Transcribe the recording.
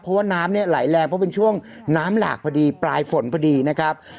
เพราะว่าน้ำเนี่ยไหลแรงเพราะเป็นช่วงน้ำหลากพอดีปลายฝนพอดีนะครับ